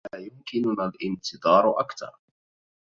لا يمكننا الانتظار أكثر.